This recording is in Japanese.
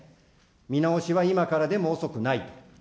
見直しは今からでも遅くない。